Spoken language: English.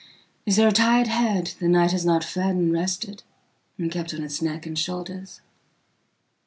Is there a tired headthe night has not fed and restedand kept on its neck and shoulders?